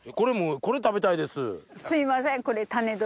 すいません。